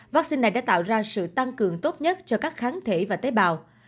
vaccine này đã tạo ra sự tăng cường tốt nhất cho các kháng thể và tế bào